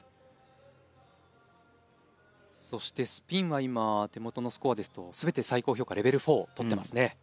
そしてスピンは今手元のスコアですと全て最高評価レベル４を取ってますね。